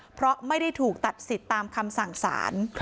เพราะไม่ได้ถูกตัดสิทธิ์ตามคำสั่งสาร